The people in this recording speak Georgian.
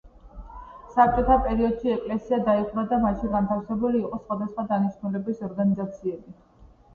საბჭოთა პერიოდში ეკლესია დაიხურა და მასში განთავსებული იყო სხვადასხვა დანიშნულების ორგანიზაციები.